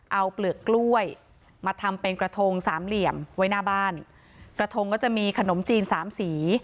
เอาเปลือกกล้วยมาทำเป็นกระทงสามเหลี่ยมไว้หน้าบ้านกระทงก็จะมีขนมจีนสามสี